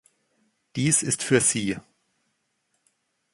Dies ist für Sie.